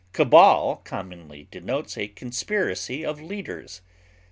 Cabal commonly denotes a conspiracy of leaders.